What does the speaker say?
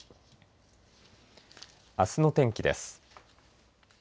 あすの天気です。